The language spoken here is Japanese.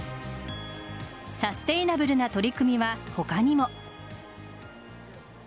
サステイナブルな取り組みは他にも。